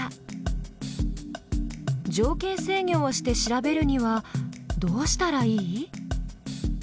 条件制御をして調べるにはどうしたらいい？